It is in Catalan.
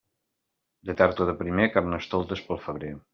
De tard o de primer, Carnestoltes pel febrer.